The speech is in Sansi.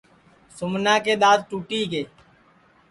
سُمنا کے دؔانٚت ٹُوٹی گے